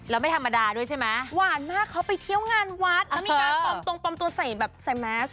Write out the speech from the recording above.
แล้วเป็นธรรมดาด้วยใช่ไหม